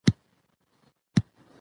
افغانستان د ژمی لپاره مشهور دی.